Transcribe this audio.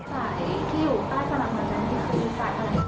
สายที่อยู่ใต้ผนังหัวใจมีสายอะไร